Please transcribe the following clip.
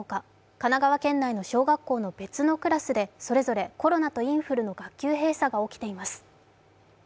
神奈川県内の小学校の別のクラスで、それぞれコロナとインフルの学級閉鎖が起きています。